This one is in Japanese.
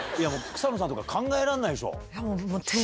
草野さんとか考えられないでしょ？